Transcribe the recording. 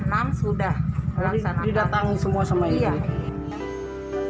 jadi didatang semua semua itu